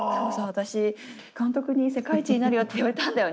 私監督に「世界一になるよ」って言われたんだよねって。